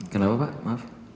kenapa pak maaf